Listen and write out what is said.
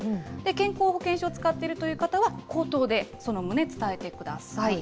健康保険証を使っているという方は、口頭でその旨伝えてください。